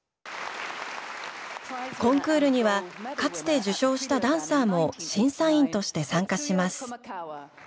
コンクールにはかつて受賞したダンサーも審査員として参加します。